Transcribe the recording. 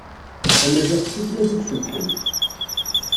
Tamaziɣt d tutlayt ay icebḥen.